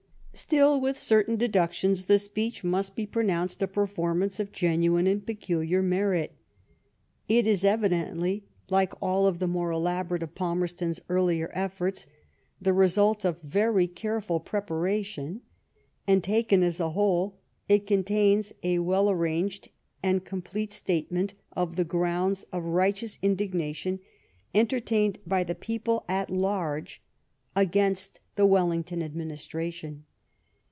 Still, with certain deductions, the speech must be pronounced a performance of genuine and peculiar merit.' It is evidently, like all of the more elaborate of Palmerston's earlier efforts, the result of very careful preparation, and, taken as a whole, it contains a well arranged and complete statement of the grounds of righteous indignation entertained by the people at large 30 LIFE OF VISCOUNT PALMEBSTON. against the Wellington administration.